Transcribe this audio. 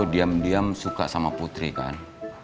diam diam suka sama putri kan